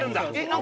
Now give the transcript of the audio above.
何？